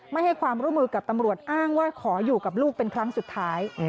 ไม่ให้ความร่วมมือกับตำรวจอ้างว่าขออยู่กับลูกเป็นครั้งสุดท้าย